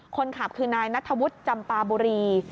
คนขับคือนายนัทธวุฒิจำปาบุรี